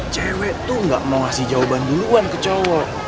cewek tuh nggak mau ngasih jawaban duluan ke cowok